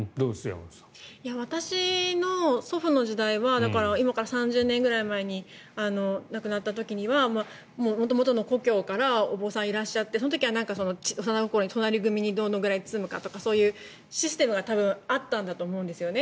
私の祖父の時代は今から３０年ぐらい前に亡くなった時にはもとの故郷からお坊さんがいらっしゃってその時は隣組にどのぐらい包むかとかシステムがあったと思うんですよね。